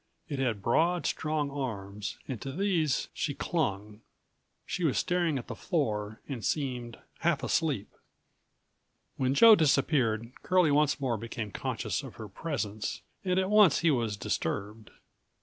It had broad, strong arms and to these she clung. She was staring at the floor and seemed half asleep. When Joe disappeared, Curlie once more became conscious of her presence and at once he was disturbed.